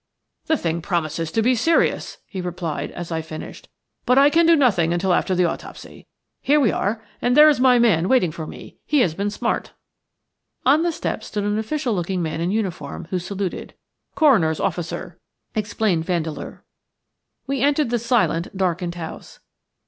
"The thing promises to be serious," he replied, as I finished, "but I can do nothing until after the autopsy. Here we are and there is my man waiting for me; he has been smart." On the steps stood an official looking man in uniform who saluted. "Coroner's officer," explained Vandeleur. We entered the silent, darkened house.